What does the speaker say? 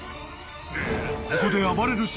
［ここで］